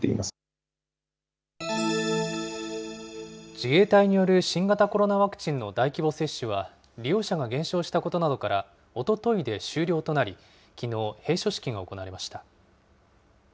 自衛隊による新型コロナワクチンの大規模接種は、利用者が減少したことなどから、おとといで終了となり、きのう、閉所式が行われました。